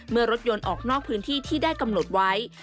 เมื่อรถยนต์ออกนอกพื้นที่ที่ได้กำหนดไว้